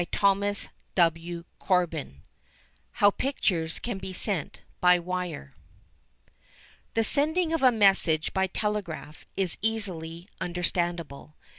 CHAPTER XIII HOW PICTURES CAN BE SENT BY WIRE The sending of a message by telegraph is easily understandable.